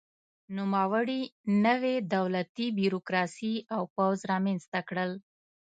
نوموړي نوې دولتي بیروکراسي او پوځ رامنځته کړل.